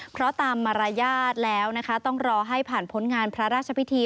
เพราะตามมารยาทแล้วนะคะต้องรอให้ผ่านพ้นงานพระราชพิธี